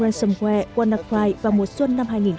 ransomware wannacry vào mùa xuân